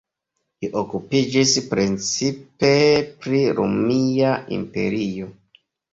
Li okupiĝis precipe pri Romia Imperio.